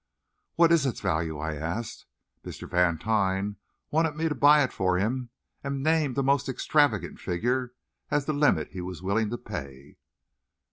"What is its value?" I asked. "Mr. Vantine wanted me to buy it for him, and named a most extravagant figure as the limit he was willing to pay."